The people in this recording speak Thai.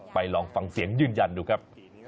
ลองฟังเสียงยืนยันดูครับ